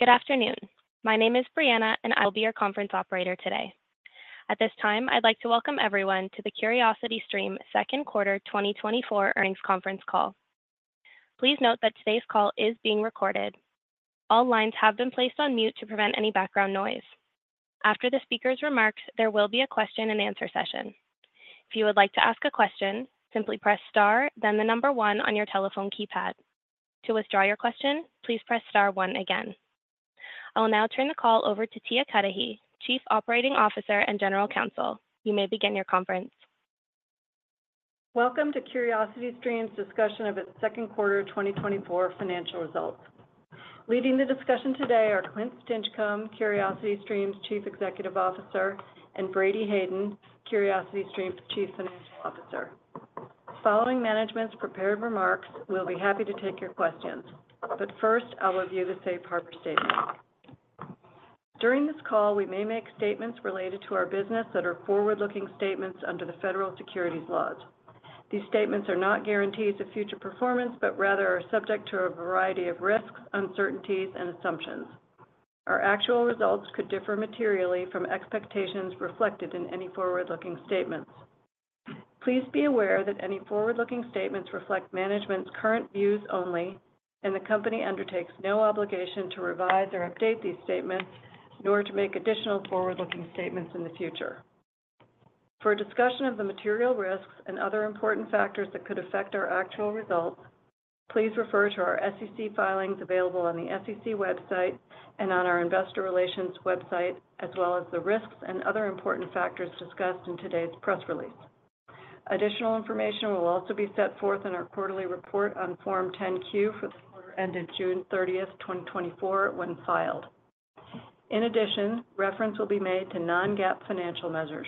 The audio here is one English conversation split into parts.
Good afternoon. My name is Brianna, and I will be your conference operator today. At this time, I'd like to welcome everyone to the CuriosityStream Second Quarter 2024 Earnings Conference Call. Please note that today's call is being recorded. All lines have been placed on mute to prevent any background noise. After the speaker's remarks, there will be a question and answer session. If you would like to ask a question, simply press star, then the number one on your telephone keypad. To withdraw your question, please press star one again. I will now turn the call over to Tia Cudahy, Chief Operating Officer and General Counsel. You may begin your conference. Welcome to CuriosityStream's discussion of its second quarter of 2024 financial results. Leading the discussion today are Clint Stinchcomb, CuriosityStream's Chief Executive Officer, and Brady Hayden, CuriosityStream's Chief Financial Officer. Following management's prepared remarks, we'll be happy to take your questions, but first, I'll review the safe harbor statement. During this call, we may make statements related to our business that are forward-looking statements under the Federal Securities laws. These statements are not guarantees of future performance, but rather are subject to a variety of risks, uncertainties and assumptions. Our actual results could differ materially from expectations reflected in any forward-looking statements. Please be aware that any forward-looking statements reflect management's current views only, and the company undertakes no obligation to revise or update these statements, nor to make additional forward-looking statements in the future. For a discussion of the material risks and other important factors that could affect our actual results, please refer to our SEC filings available on the SEC website and on our investor relations website, as well as the risks and other important factors discussed in today's press release. Additional information will also be set forth in our quarterly report on Form 10-Q for the quarter ended June 30, 2024, when filed. In addition, reference will be made to non-GAAP financial measures.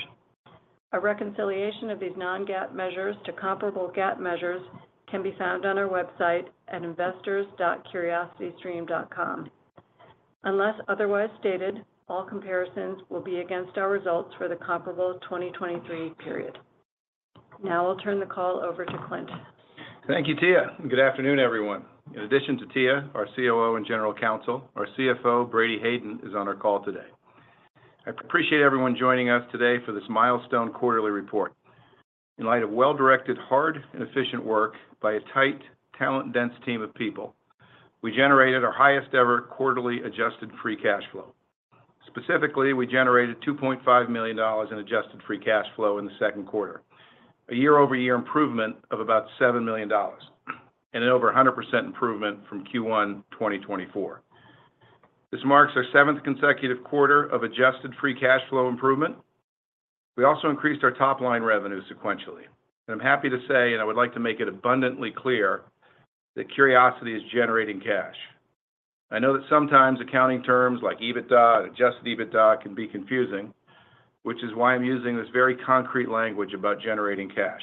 A reconciliation of these non-GAAP measures to comparable GAAP measures can be found on our website at investors.curiositystream.com. Unless otherwise stated, all comparisons will be against our results for the comparable 2023 period. Now I'll turn the call over to Clint. Thank you, Tia. Good afternoon, everyone. In addition to Tia, our COO and General Counsel, our CFO, Brady Hayden, is on our call today. I appreciate everyone joining us today for this milestone quarterly report. In light of well-directed, hard, and efficient work by a tight, talent-dense team of people, we generated our highest ever quarterly adjusted free cash flow. Specifically, we generated $2.5 million in adjusted free cash flow in the second quarter, a year-over-year improvement of about $7 million, and an over 100% improvement from Q1 2024. This marks our seventh consecutive quarter of adjusted free cash flow improvement. We also increased our top-line revenue sequentially. And I'm happy to say, and I would like to make it abundantly clear, that Curiosity is generating cash. I know that sometimes accounting terms like EBITDA and adjusted EBITDA can be confusing, which is why I'm using this very concrete language about generating cash.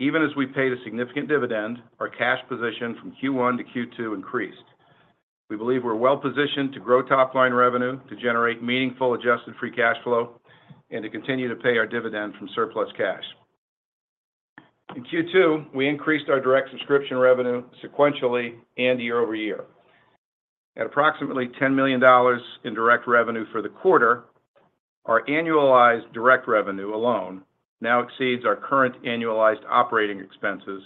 Even as we paid a significant dividend, our cash position from Q1 to Q2 increased. We believe we're well positioned to grow top-line revenue, to generate meaningful adjusted free cash flow, and to continue to pay our dividend from surplus cash. In Q2, we increased our direct subscription revenue sequentially and year over year. At approximately $10 million in direct revenue for the quarter, our annualized direct revenue alone now exceeds our current annualized operating expenses,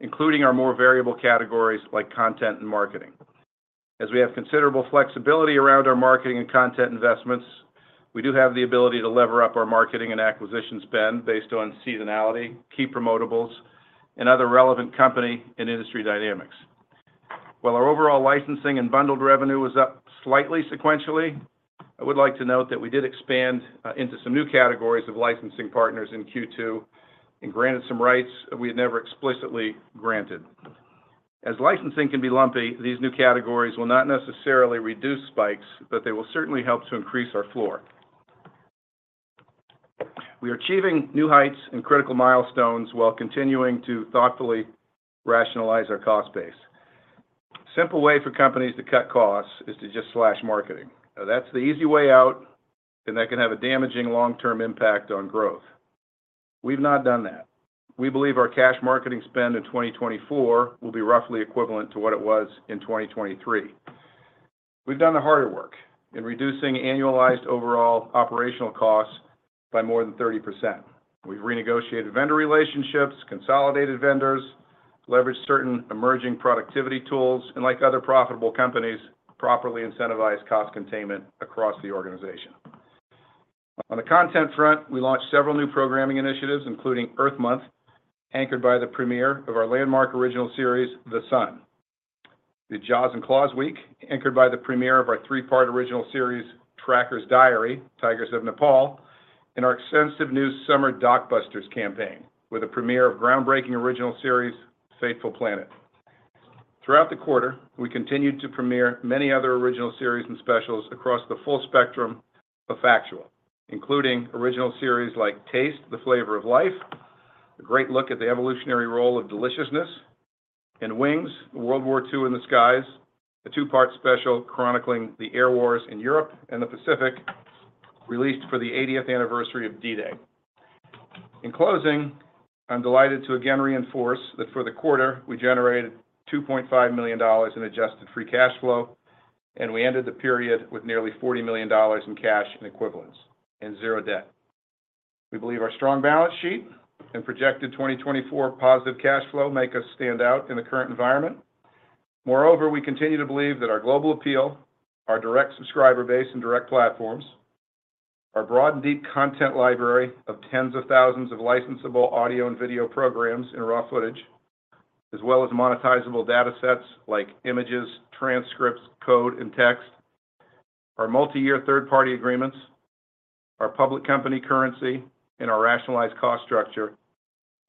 including our more variable categories like content and marketing. As we have considerable flexibility around our marketing and content investments, we do have the ability to lever up our marketing and acquisition spend based on seasonality, key promotables, and other relevant company and industry dynamics. While our overall licensing and bundled revenue was up slightly sequentially, I would like to note that we did expand into some new categories of licensing partners in Q2 and granted some rights that we had never explicitly granted. As licensing can be lumpy, these new categories will not necessarily reduce spikes, but they will certainly help to increase our floor. We are achieving new heights and critical milestones while continuing to thoughtfully rationalize our cost base. A simple way for companies to cut costs is to just slash marketing. Now, that's the easy way out, and that can have a damaging long-term impact on growth. We've not done that. We believe our cash marketing spend in 2024 will be roughly equivalent to what it was in 2023. We've done the harder work in reducing annualized overall operational costs by more than 30%. We've renegotiated vendor relationships, consolidated vendors, leveraged certain emerging productivity tools, and like other profitable companies, properly incentivized cost containment across the organization. On the content front, we launched several new programming initiatives, including Earth Month, anchored by the premiere of our landmark original series, The Sun. The Jaws and Claws Week, anchored by the premiere of our three-part original series, Tracker's Diary: Tigers of Nepal. And our extensive new Summer Docbusters campaign, with a premiere of groundbreaking original series, Fateful Planet. Throughout the quarter, we continued to premiere many other original series and specials across the full spectrum of factual, including original series like Taste: The Flavor of Life, a great look at the evolutionary role of deliciousness, and Wings: World War II in the Skies, a two-part special chronicling the air wars in Europe and the Pacific, released for the eightieth anniversary of D-Day.... In closing, I'm delighted to again reinforce that for the quarter, we generated $2.5 million in adjusted free cash flow, and we ended the period with nearly $40 million in cash and equivalents and 0 debt. We believe our strong balance sheet and projected 2024 positive cash flow make us stand out in the current environment. Moreover, we continue to believe that our global appeal, our direct subscriber base and direct platforms, our broad and deep content library of tens of thousands of licensable audio and video programs in raw footage, as well as monetizable datasets like images, transcripts, code, and text, our multi-year third-party agreements, our public company currency, and our rationalized cost structure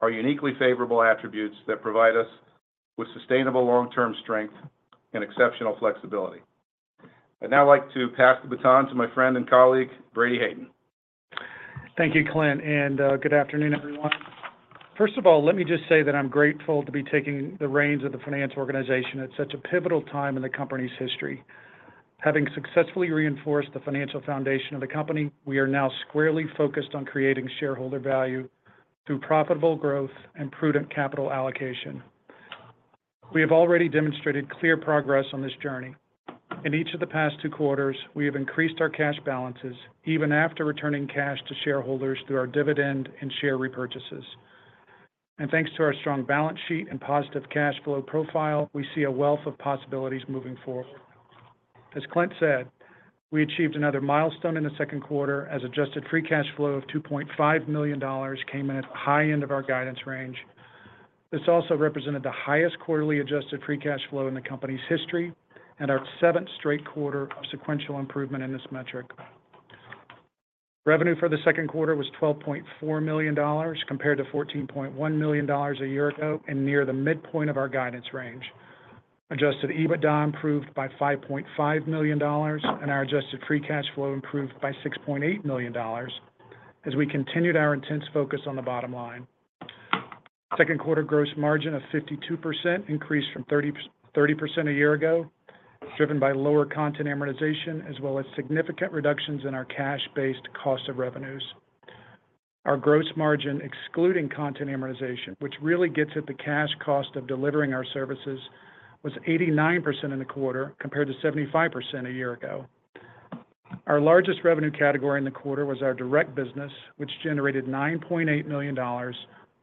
are uniquely favorable attributes that provide us with sustainable long-term strength and exceptional flexibility. I'd now like to pass the baton to my friend and colleague, Brady Hayden. Thank you, Clint, and good afternoon, everyone. First of all, let me just say that I'm grateful to be taking the reins of the finance organization at such a pivotal time in the company's history. Having successfully reinforced the financial foundation of the company, we are now squarely focused on creating shareholder value through profitable growth and prudent capital allocation. We have already demonstrated clear progress on this journey. In each of the past two quarters, we have increased our cash balances, even after returning cash to shareholders through our dividend and share repurchases. Thanks to our strong balance sheet and positive cash flow profile, we see a wealth of possibilities moving forward. As Clint said, we achieved another milestone in the second quarter as adjusted free cash flow of $2.5 million came in at the high end of our guidance range. This also represented the highest quarterly adjusted free cash flow in the company's history and our seventh straight quarter of sequential improvement in this metric. Revenue for the second quarter was $12.4 million, compared to $14.1 million a year ago, and near the midpoint of our guidance range. Adjusted EBITDA improved by $5.5 million, and our adjusted free cash flow improved by $6.8 million as we continued our intense focus on the bottom line. Second quarter gross margin of 52% increased from 33% a year ago, driven by lower content amortization, as well as significant reductions in our cash-based cost of revenues. Our gross margin, excluding content amortization, which really gets at the cash cost of delivering our services, was 89% in the quarter, compared to 75% a year ago. Our largest revenue category in the quarter was our direct business, which generated $9.8 million,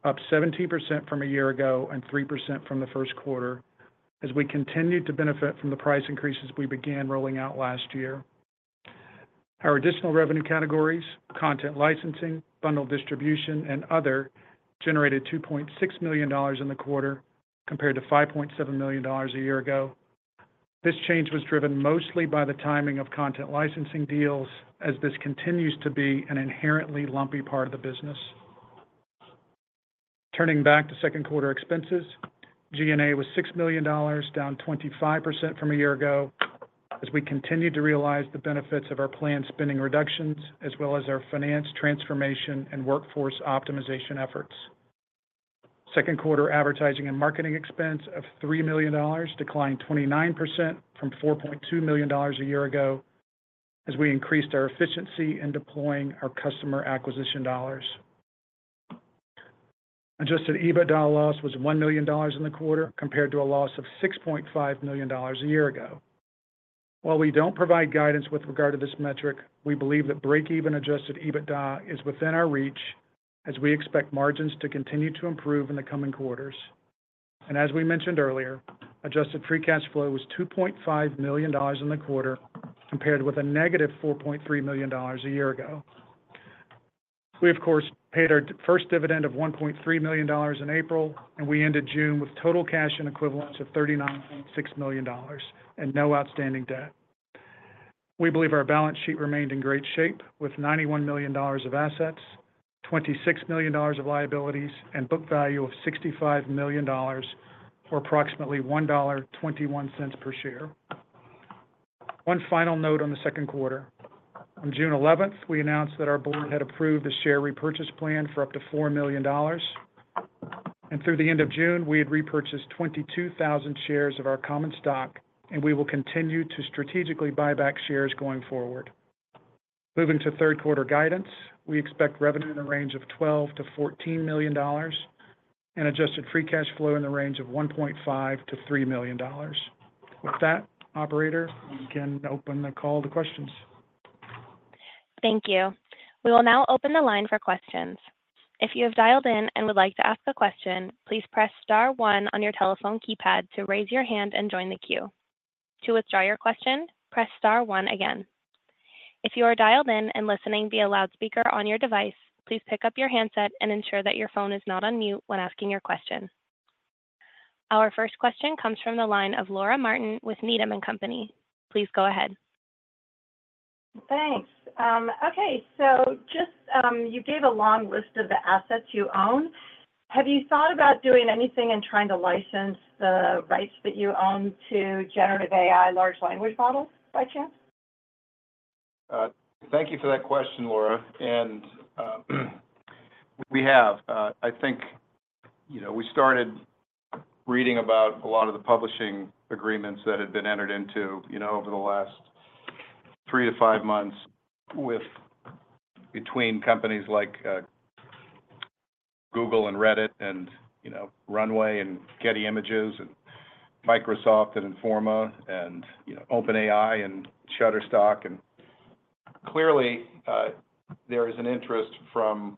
up 17% from a year ago and 3% from the first quarter, as we continued to benefit from the price increases we began rolling out last year. Our additional revenue categories, content licensing, bundle distribution, and other, generated $2.6 million in the quarter, compared to $5.7 million a year ago. This change was driven mostly by the timing of content licensing deals, as this continues to be an inherently lumpy part of the business. Turning back to second quarter expenses, G&A was $6 million, down 25% from a year ago, as we continued to realize the benefits of our planned spending reductions, as well as our finance transformation and workforce optimization efforts. Second quarter advertising and marketing expense of $3 million declined 29% from $4.2 million a year ago, as we increased our efficiency in deploying our customer acquisition dollars. Adjusted EBITDA loss was $1 million in the quarter, compared to a loss of $6.5 million a year ago. While we don't provide guidance with regard to this metric, we believe that break-even adjusted EBITDA is within our reach as we expect margins to continue to improve in the coming quarters. As we mentioned earlier, adjusted free cash flow was $2.5 million in the quarter, compared with a negative $4.3 million a year ago. We, of course, paid our first dividend of $1.3 million in April, and we ended June with total cash and equivalents of $39.6 million and no outstanding debt. We believe our balance sheet remained in great shape, with $91 million of assets, $26 million of liabilities, and book value of $65 million, or approximately $1.21 per share. One final note on the second quarter. On June 11, we announced that our board had approved a share repurchase plan for up to $4 million. And through the end of June, we had repurchased 22,000 shares of our common stock, and we will continue to strategically buy back shares going forward. Moving to third quarter guidance, we expect revenue in the range of $12 million-$14 million and adjusted free cash flow in the range of $1.5 million-$3 million. With that, operator, you can open the call to questions. Thank you. We will now open the line for questions. If you have dialed in and would like to ask a question, please press star one on your telephone keypad to raise your hand and join the queue. To withdraw your question, press star one again. If you are dialed in and listening via loudspeaker on your device, please pick up your handset and ensure that your phone is not on mute when asking your question. Our first question comes from the line of Laura Martin with Needham & Company. Please go ahead. Thanks. Okay, so just, you gave a long list of the assets you own. Have you thought about doing anything and trying to license the rights that you own to generative AI large language models, by chance? Thank you for that question, Laura. I think, you know, we started reading about a lot of the publishing agreements that had been entered into, you know, over the last 3-5 months with between companies like Google and Reddit and, you know, Runway and Getty Images, and Microsoft, and Informa and, you know, OpenAI and Shutterstock. And clearly, there is an interest from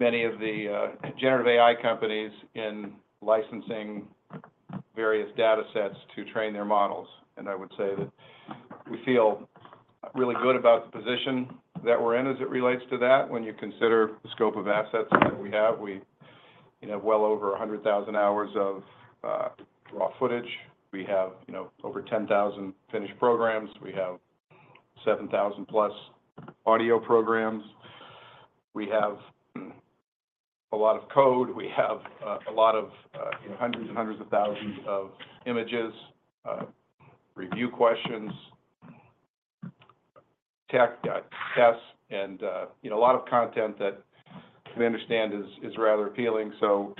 many of the Generative AI companies in licensing various data sets to train their models. And I would say that we feel really good about the position that we're in as it relates to that. When you consider the scope of assets that we have, we, you know, well over 100,000 hours of raw footage. We have, you know, over 10,000 finished programs. We have 7,000 plus audio programs. We have a lot of code. We have a lot of, you know, hundreds and hundreds of thousands of images, review questions, tech tests, and, you know, a lot of content that we understand is rather appealing. So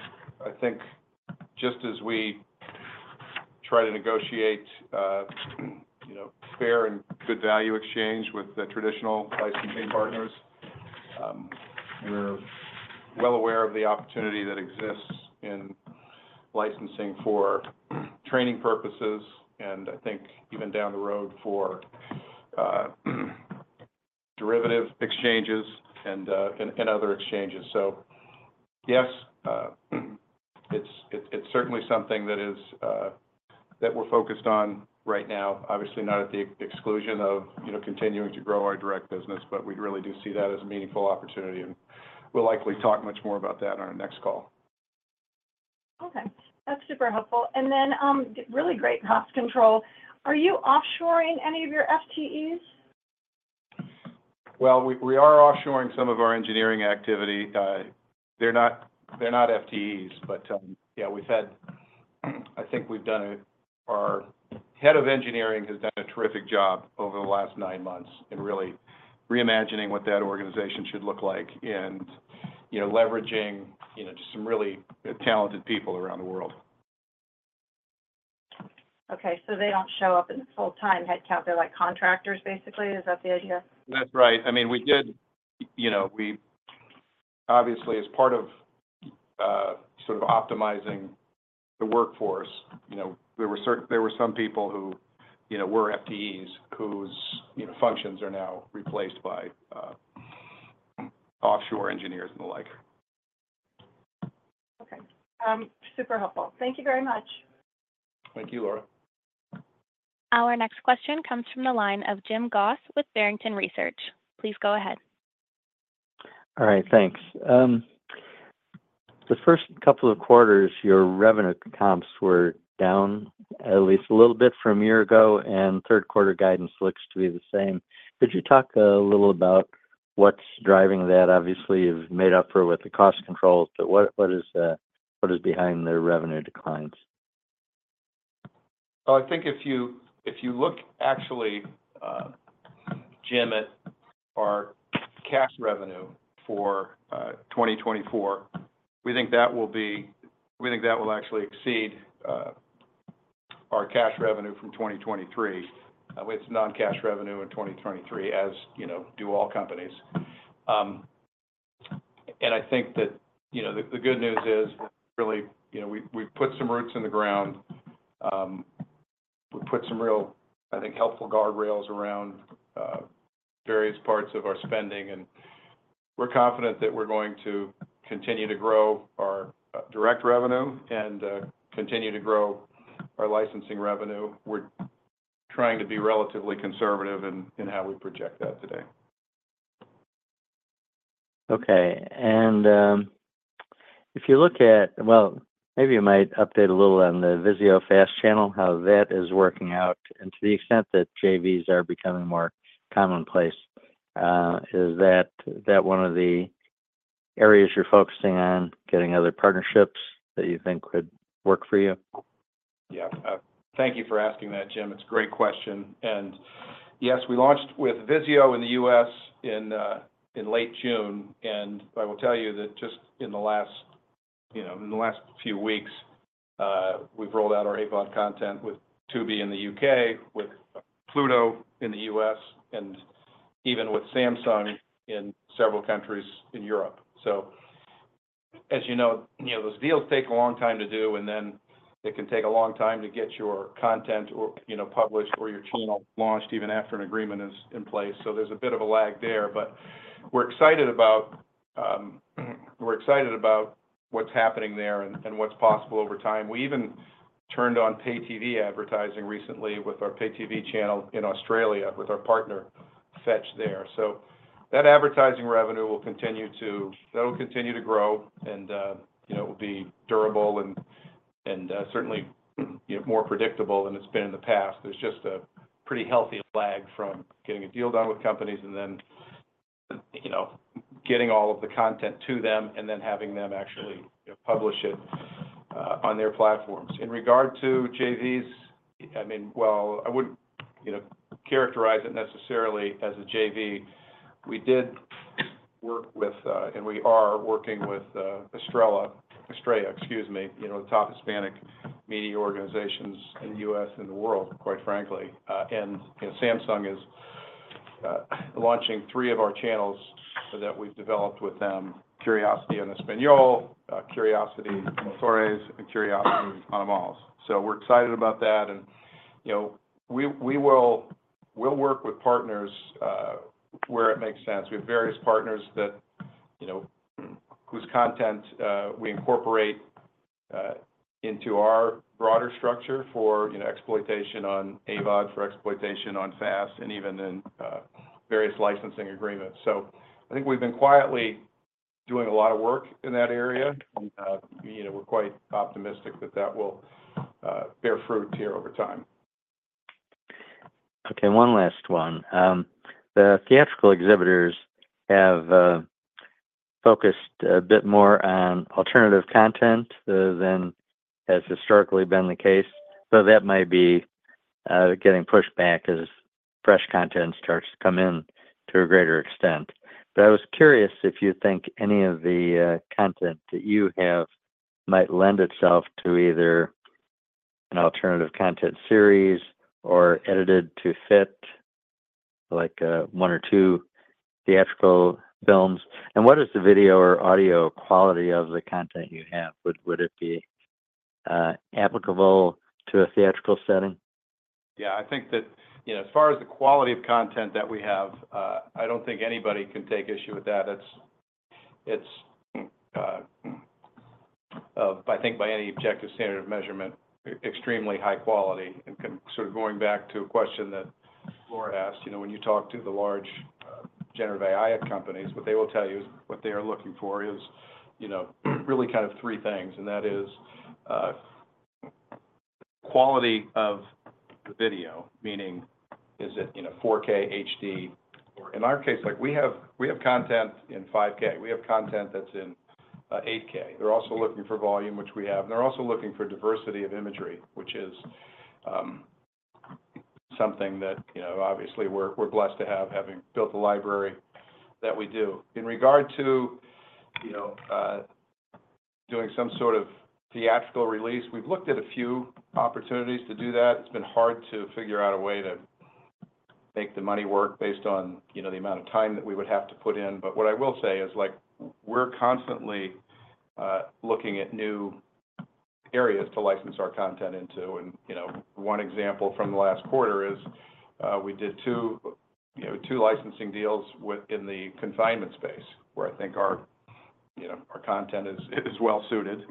I think just as we try to negotiate, you know, fair and good value exchange with the traditional licensing partners, we're well aware of the opportunity that exists in licensing for training purposes, and I think even down the road for derivative exchanges and other exchanges. So, yes, it's certainly something that is that we're focused on right now. Obviously, not at the exclusion of, you know, continuing to grow our direct business, but we really do see that as a meaningful opportunity, and we'll likely talk much more about that on our next call. Okay, that's super helpful. And then, really great cost control. Are you offshoring any of your FTEs? Well, we are offshoring some of our engineering activity. They're not FTEs, but yeah, we've had - I think we've done a. Our head of engineering has done a terrific job over the last nine months in really reimagining what that organization should look like and, you know, leveraging, you know, just some really talented people around the world. Okay. So they don't show up in the full-time headcount. They're like contractors, basically. Is that the idea? That's right. I mean, we did, you know, we obviously, as part of sort of optimizing the workforce, you know, there were certain, there were some people who, you know, were FTEs, whose, you know, functions are now replaced by offshore engineers and the like. Okay. Super helpful. Thank you very much. Thank you, Laura. Our next question comes from the line of Jim Goss with Barrington Research. Please go ahead. All right, thanks. The first couple of quarters, your revenue comps were down at least a little bit from a year ago, and third quarter guidance looks to be the same. Could you talk a little about what's driving that? Obviously, you've made up for it with the cost controls, but what is behind the revenue declines? Well, I think if you look actually, Jim, at our cash revenue for 2024, we think that will actually exceed our cash revenue from 2023. It's non-cash revenue in 2023, as you know, do all companies. And I think that, you know, the good news is really, you know, we've put some roots in the ground. We put some real, I think, helpful guardrails around various parts of our spending, and we're confident that we're going to continue to grow our direct revenue and continue to grow our licensing revenue. We're trying to be relatively conservative in how we project that today. Okay. And, if you look at... Well, maybe you might update a little on the VIZIO FAST channel, how that is working out, and to the extent that JVs are becoming more commonplace, is that, that one of the areas you're focusing on, getting other partnerships that you think could work for you? Yeah. Thank you for asking that, Jim. It's a great question, and yes, we launched with VIZIO in the U.S. in late June, and I will tell you that just in the last, you know, in the last few weeks, we've rolled out our AVOD content with Tubi in the U.K., with Pluto in the U.S., and even with Samsung in several countries in Europe. So as you know, you know, those deals take a long time to do, and then it can take a long time to get your content or, you know, published or your channel launched even after an agreement is in place. So there's a bit of a lag there, but we're excited about, we're excited about what's happening there and, and what's possible over time. We even turned on pay TV advertising recently with our pay TV channel in Australia with our partner, Fetch, there. So that advertising revenue will continue to... That will continue to grow and, you know, will be durable and, certainly, you know, more predictable than it's been in the past. There's just a pretty healthy lag from getting a deal done with companies and then, you know, getting all of the content to them, and then having them actually, you know, publish it on their platforms. In regard to JVs, I mean, well, I wouldn't, you know, characterize it necessarily as a JV. We work with, and we are working with, Estrella Media, excuse me, you know, the top Hispanic media organizations in the US and the world, quite frankly. And, you know, Samsung is launching three of our channels so that we've developed with them, Curiosity en Español, Curiosity Jóvenes, and Curiosity Animales. So we're excited about that, and, you know, we will work with partners where it makes sense. We have various partners that, you know, whose content we incorporate into our broader structure for, you know, exploitation on AVOD, for exploitation on FAST, and even in various licensing agreements. So I think we've been quietly doing a lot of work in that area. You know, we're quite optimistic that that will bear fruit here over time. Okay, one last one. The theatrical exhibitors have focused a bit more on alternative content than has historically been the case, but that might be getting pushed back as fresh content starts to come in to a greater extent. But I was curious if you think any of the content that you have might lend itself to either an alternative content series or edited to fit, like, 1 or 2 theatrical films? And what is the video or audio quality of the content you have? Would it be applicable to a theatrical setting? Yeah, I think that, you know, as far as the quality of content that we have, I don't think anybody can take issue with that. It's, it's, I think by any objective standard of measurement, extremely high quality. And sort of going back to a question that Laura asked, you know, when you talk to the large Generative AI companies, what they will tell you is what they are looking for is, you know, really kind of three things, and that is, quality of the video, meaning is it, you know, 4K, HD? Or in our case, like, we have, we have content in 5K. We have content that's in, eight K. They're also looking for volume, which we have, and they're also looking for diversity of imagery, which is something that, you know, obviously, we're blessed to have, having built the library that we do. In regard to, you know, doing some sort of theatrical release, we've looked at a few opportunities to do that. It's been hard to figure out a way to make the money work based on, you know, the amount of time that we would have to put in. But what I will say is, like, we're constantly looking at new areas to license our content into. One example from the last quarter is we did two licensing deals within the confinement space, where I think our, you know, our content is well suited.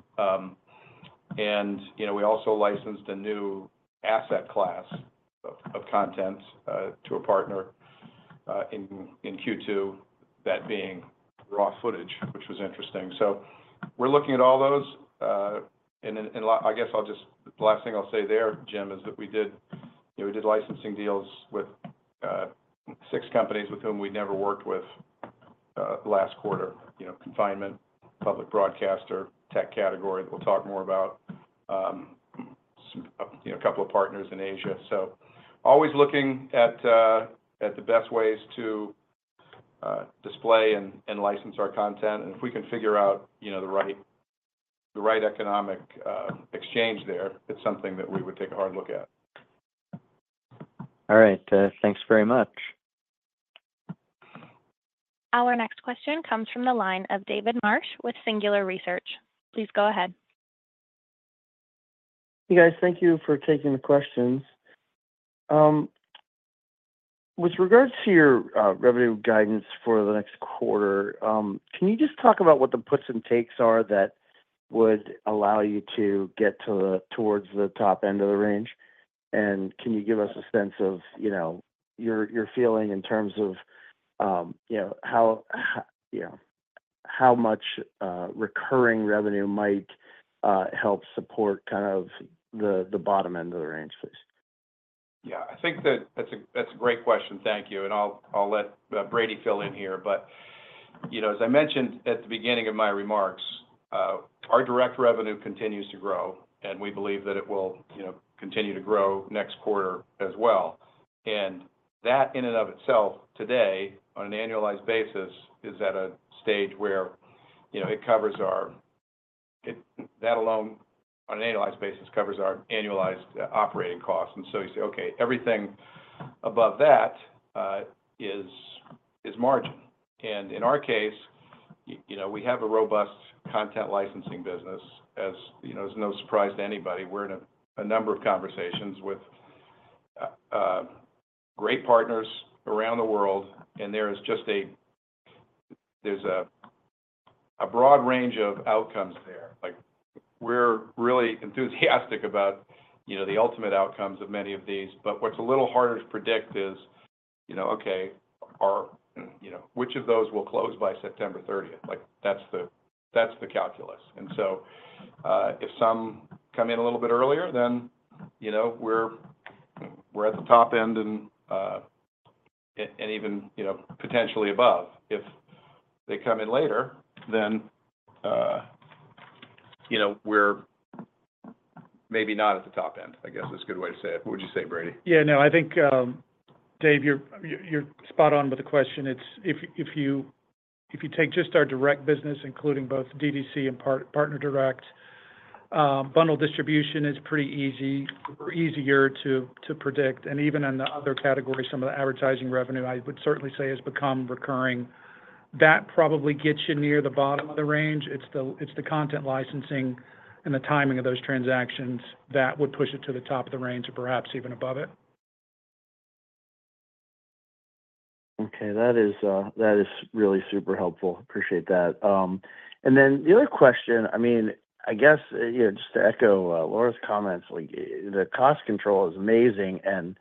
And you know, we also licensed a new asset class of content to a partner in Q2, that being raw footage, which was interesting. So we're looking at all those. I guess I'll just. The last thing I'll say there, Jim, is that we did, you know, we did licensing deals with six companies with whom we'd never worked with last quarter. You know, confinement, public broadcaster, tech category, that we'll talk more about. Some, you know, a couple of partners in Asia. So always looking at the best ways to display and license our content, and if we can figure out, you know, the right economic exchange there, it's something that we would take a hard look at. All right, thanks very much. Our next question comes from the line of David Marsh with Singular Research. Please go ahead. Hey, guys. Thank you for taking the questions. With regards to your revenue guidance for the next quarter, can you just talk about what the puts and takes are that would allow you to get towards the top end of the range? And can you give us a sense of, you know, your feeling in terms of, you know, how much recurring revenue might help support kind of the bottom end of the range, please? Yeah, I think that's a great question. Thank you. I'll let Brady fill in here. But you know, as I mentioned at the beginning of my remarks, our direct revenue continues to grow, and we believe that it will, you know, continue to grow next quarter as well. That, in and of itself, today, on an annualized basis, is at a stage where, you know, that alone, on an annualized basis, covers our annualized operating costs. So you say, "Okay, everything above that is margin." In our case, you know, we have a robust content licensing business. As you know, as no surprise to anybody, we're in a number of conversations with great partners around the world, and there is just there's a broad range of outcomes there. Like, we're really enthusiastic about, you know, the ultimate outcomes of many of these, but what's a little harder to predict is, you know, okay, you know, which of those will close by September thirtieth? Like, that's the, that's the calculus. And so, if some come in a little bit earlier, then, you know, we're, we're at the top end and, and, and even, you know, potentially above. If they come in later, then, you know, maybe not at the top end, I guess, is a good way to say it. What would you say, Brady? Yeah, no, I think, Dave, you're spot on with the question. It's if you take just our direct business, including both DTC and partner direct, bundle distribution is pretty easy or easier to predict. And even in the other categories, some of the advertising revenue, I would certainly say, has become recurring. That probably gets you near the bottom of the range. It's the content licensing and the timing of those transactions that would push it to the top of the range or perhaps even above it. Okay, that is really super helpful. Appreciate that. And then the other question, I mean, I guess, you know, just to echo, Laura's comments, like, the cost control is amazing, and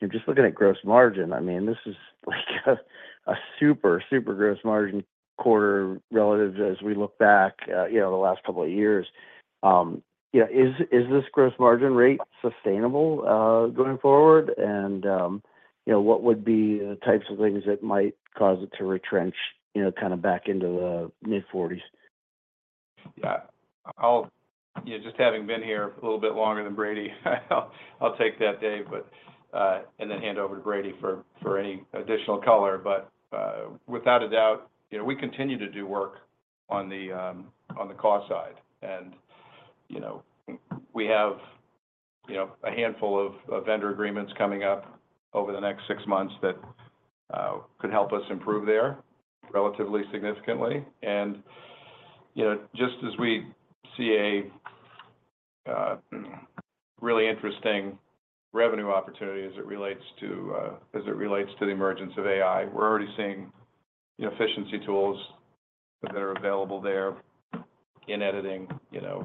you're just looking at gross margin. I mean, this is like a super, super gross margin quarter relative to as we look back, you know, the last couple of years. Yeah, is this gross margin rate sustainable, going forward? And, you know, what would be the types of things that might cause it to retrench, you know, kind of back into the mid-forties? Yeah. I'll Yeah, just having been here a little bit longer than Brady, I'll take that, Dave, but and then hand over to Brady for any additional color. But without a doubt, you know, we continue to do work on the cost side. And, you know, we have, you know, a handful of vendor agreements coming up over the next 6 months that could help us improve there relatively significantly. And, you know, just as we see a really interesting revenue opportunity as it relates to as it relates to the emergence of AI, we're already seeing efficiency tools that are available there in editing, you know,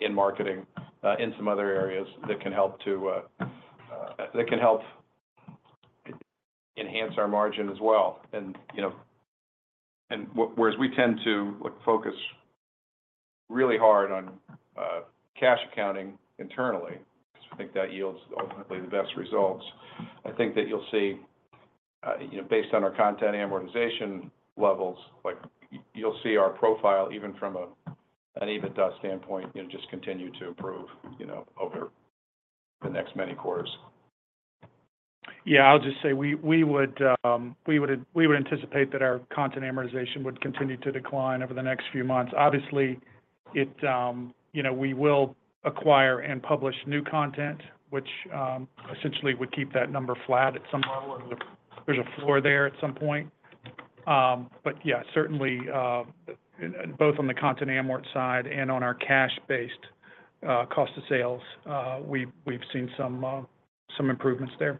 in marketing in some other areas that can help enhance our margin as well. Whereas we tend to, like, focus really hard on cash accounting internally, because we think that yields ultimately the best results. I think that you'll see, you know, based on our content amortization levels, like, you'll see our profile, even from an EBITDA standpoint, you know, just continue to improve, you know, over the next many quarters. Yeah, I'll just say we would anticipate that our content amortization would continue to decline over the next few months. Obviously, it, you know, we will acquire and publish new content, which essentially would keep that number flat at some level, and there's a floor there at some point. But yeah, certainly both on the content amort side and on our cash-based cost of sales, we've seen some improvements there.